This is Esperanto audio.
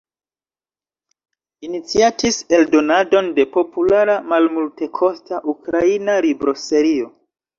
Iniciatis eldonadon de populara malmultekosta ukraina libroserio.